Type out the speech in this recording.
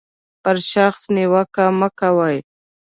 پر شخص نیوکه مه کوئ.